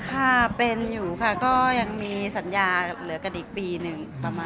ค่ะเป็นอยู่ค่ะก็ยังมีสัญญาเหลือกันอีกปีหนึ่งประมาณ